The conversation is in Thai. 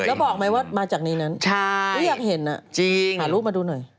แล้วบอกไหมว่ามาจากนี้นั้นอยากเห็นน่ะหารูปมาดูหน่อยจริง